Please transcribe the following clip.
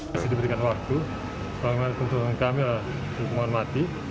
masih diberikan waktu paling penting untuk kami adalah hukuman mati